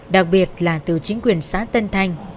đặc biệt là từ chính quyền xã tân thành